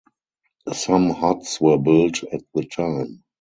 Some huts were built at the time.